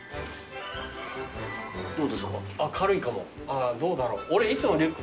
あぁどうだろう？